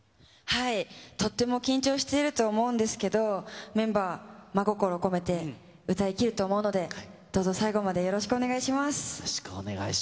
とっても緊張していると思うんですけど、メンバー、真心込めて歌いきると思うので、どうぞ、よろしくお願いします。